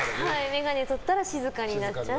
眼鏡を取ったら静かになっちゃう。